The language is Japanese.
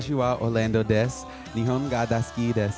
日本が大好きです。